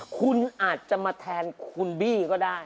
คุณอาจจะมาแทนคุณบี้ก็ได้